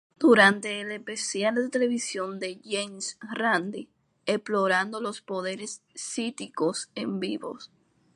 Durante el especial de televisión de James Randi "¡Explorando los poderes psíquicos en vivo!